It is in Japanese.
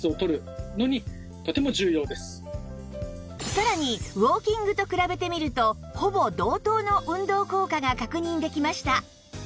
さらにウォーキングと比べてみるとほぼ同等の運動効果が確認できました